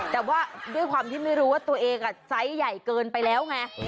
แต่ว่าด้วยความที่ไม่รู้ว่าตัวเองไซส์ใหญ่เกินไปแล้วไง